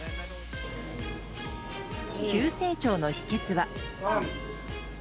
急成長の秘訣は。